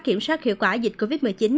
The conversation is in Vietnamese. kiểm soát hiệu quả dịch covid một mươi chín